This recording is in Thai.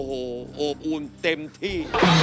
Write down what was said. โนโหโอบอุ่นเต็มที่